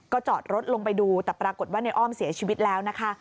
จอดรถลงไปดูแต่ปรากฏว่าในอ้อมเสียชีวิตแล้วนะคะ